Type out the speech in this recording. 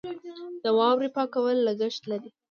د واورې پاکول لګښت لري.